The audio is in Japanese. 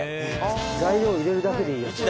「材料入れるだけでいいやつだ」